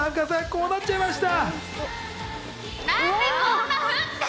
こうなっちゃいました。